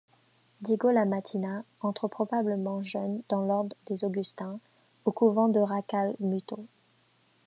Diego La Matina entre probablement jeune dans l'ordre des Augustins, au couvent de Racalmuto.